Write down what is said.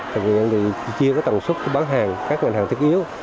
thực hiện thì chia cái tầng suất cho bán hàng các ngành hàng thích yếu